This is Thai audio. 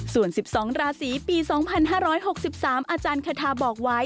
ส่วน๑๒ราศีปีำำห้าร้อยหกสิบสามอาจารย์คาทาบอกว่า